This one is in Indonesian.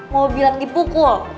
mau bilang di pukul